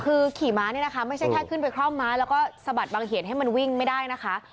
คือขี่ม้าเนี่ยนะคะไม่ใช่แค่ขึ้นไปคล่อมม้าแล้วก็สะบัดบางเหตุให้มันวิ่งไม่ได้นะคะ